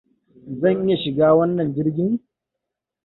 Zan iya shiga wannan jirgin?